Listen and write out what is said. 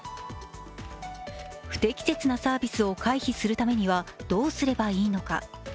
不適切なサービスを回避するためには、どうすればいいのか。